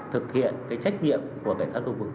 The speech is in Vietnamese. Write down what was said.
thực hiện trách nhiệm của cảnh sát khu vực